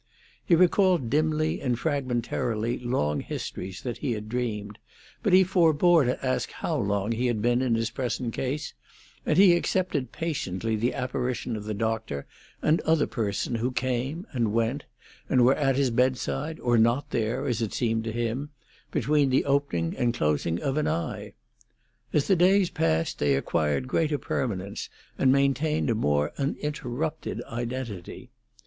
He recalled dimly and fragmentarily long histories that he had dreamed, but he forbore to ask how long he had been in his present case, and he accepted patiently the apparition of the doctor and other persons who came and went, and were at his bedside or not there, as it seemed to him, between the opening and closing of an eye. As the days passed they acquired greater permanence and maintained a more uninterrupted identity.